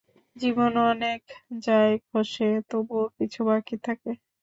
জীবনে অনেক যায় খসে, তবুও কিছু বাকি থাকে।